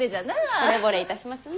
ほれぼれいたしますな。